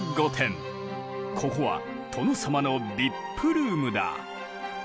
ここは殿様のＶＩＰルームだ。